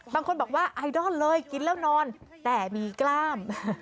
บางคนบอกว่าไอดอลเลยกินแล้วนอนแต่มีกล้าม